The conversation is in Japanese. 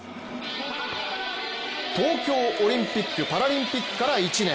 東京オリンピックパラリンピックから１年。